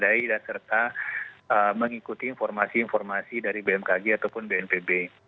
dan juga memperhatikan dan mengikuti informasi informasi dari bmkg ataupun bnpb